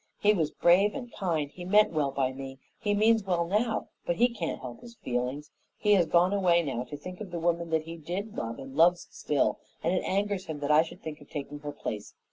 He was brave and kind; he meant well by me, he means well now; but he can't help his feelings. He has gone away now to think of the woman that he did love and loves still, and it angers him that I should think of taking her place.